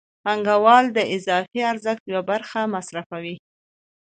پانګوال د اضافي ارزښت یوه برخه مصرفوي